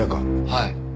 はい。